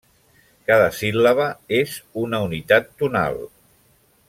Cada síl·laba és una unitat tonal.